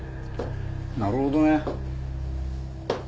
なるほどね。